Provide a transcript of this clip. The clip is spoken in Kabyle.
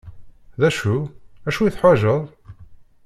D acu? acu i teḥwaǧeḍ ?